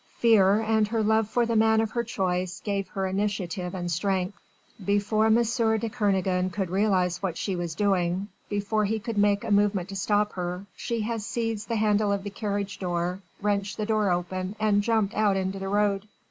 Fear and her love for the man of her choice gave her initiative and strength. Before M. de Kernogan could realise what she was doing, before he could make a movement to stop her, she had seized the handle of the carriage door, wrenched the door open and jumped out into the road.